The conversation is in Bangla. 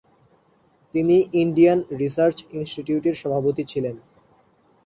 তিনি ইন্ডিয়ান রিসার্চ ইনস্টিটিউটের সভাপতি ছিলেন।